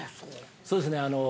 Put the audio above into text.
◆そうですね。